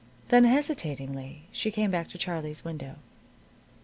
Then, hesitatingly, she came back to Charlie's window.